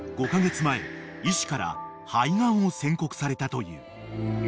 ５カ月前医師から肺がんを宣告されたという］